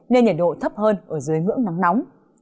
nên nhiệt độ thấp hơn ở dưới ngưỡng nắng nóng